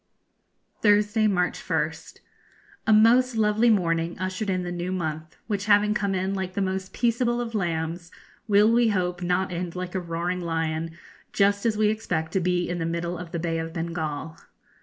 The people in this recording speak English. Thursday, March 1st. A most lovely morning ushered in the new month, which having come in like the most peaceable of lambs, will, we hope, not end like a roaring lion just as we expect to be in the middle of the Bay of Bengal.